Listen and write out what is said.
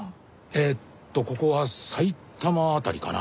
えーっとここは埼玉辺りかな？